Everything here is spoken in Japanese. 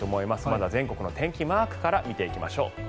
まずは全国の天気マークから見ていきましょう。